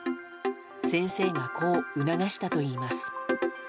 先生がこう促したといいます。